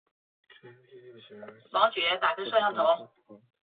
钝裂天胡荽为伞形科天胡荽属下的一个变种。